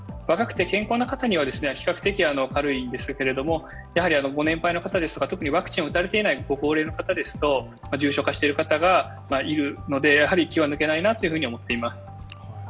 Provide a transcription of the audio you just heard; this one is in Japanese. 若くて健康な方には比較的軽いんですけれども、ご年配の方ですとか特にワクチンを打たれていないご高齢の方ですと、重症化している方がいるので、気は抜けないと思っています。